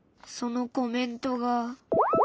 そのコメントが。